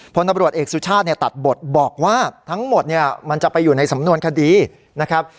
พลตำรวจเอกสุชาติเนี่ยตัดบทบอกว่าทั้งหมดเนี่ยมันจะไปอยู่ในสำนวนคดีนะครับ